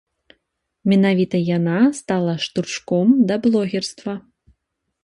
Менавіта яна стала штуршком да блогерства.